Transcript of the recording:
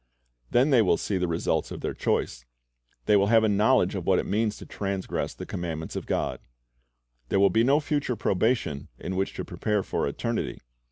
Then they will see the results of their choice. They will have a knowledge of what it means to transgress the commandments of God. . There will be no future probation in which to prepare for eternity.